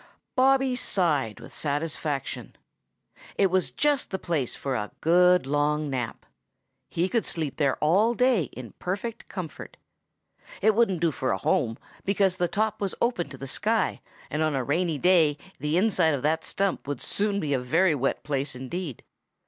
Bobby sighed with satisfaction. It was just the place for a good long nap. He could sleep there all day in perfect comfort. It wouldn't do for a home, because the top was open to the sky, and on a rainy day the inside of that stump would soon be a very wet place indeed.